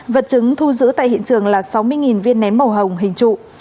vật chứng thu giữ tại hiện trường là sáu mươi viên nén màu hồng hình trụ